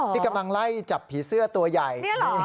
ที่กำลังไล่จับผีเสื้อตัวใหญ่